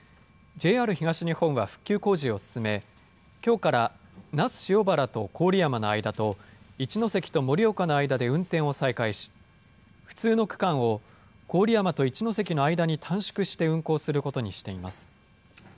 ＪＲ東日本は復旧工事を進め、きょうから那須塩原と郡山の間と、一ノ関と盛岡の間で運転を再開し、不通の区間を郡山と一ノ関の間に短縮して運行することにしています。